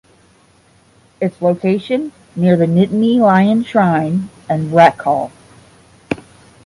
Its location near the Nittany Lion Shrine and Rec Hall.